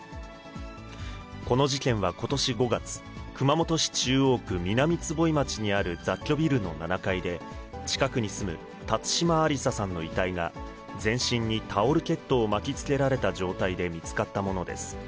この事件はことし５月、熊本市中央区南坪井町にある雑居ビルの７階で、近くに住む辰島ありささんの遺体が、全身にタオルケットを巻きつけられた状態で見つかったものです。